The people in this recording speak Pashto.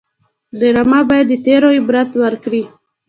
ډرامه باید د تېرو عبرت ورکړي